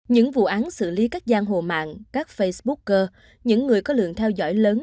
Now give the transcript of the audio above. những vụ án xử lý các gian hồ mạng các facebooker những người có lượng theo dõi lớn